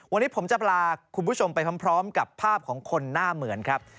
วันนี้ผมจะพาคุณผู้ชมไปพร้อมกับภาพของคนหน้าเหมือนครับ